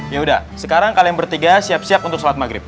yaudah sekarang kalian bertiga siap siap untuk sholat maghrib